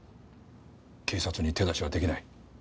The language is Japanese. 警察に手出しは出来ない。